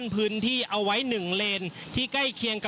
ผู้สื่อข่าวชนะทีวีจากฟิวเจอร์พาร์ครังสิตเลยนะคะ